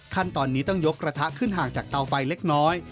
ขั้นตอนนี้ต้องยกกระทะขึ้นห่างจากเตาไฟเล็กน้อย